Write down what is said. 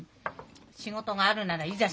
仕事があるならいざ